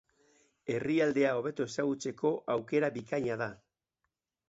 Herrialdea hobeto ezagutzeko aukera bikaina da.